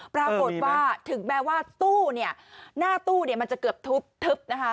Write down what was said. ปรากฏว่าถึงแม้ว่าตู้หน้าตู้มันจะเกือบทึบนะคะ